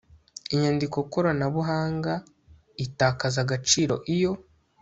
inyandiko koranabuhanga itakaza agaciro iyo